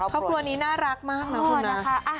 ครอบครัวนี้น่ารักมากนะคุณนะคะ